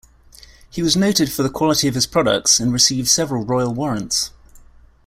He was noted for the quality of his products and received several royal warrants.